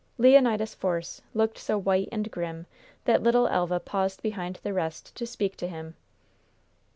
Leonidas Force looked so white and grim that little Elva paused behind the rest to speak to him.